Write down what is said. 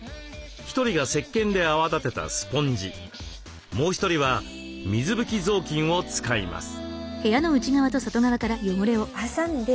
１人がせっけんで泡立てたスポンジもう１人は水拭き雑巾を使います。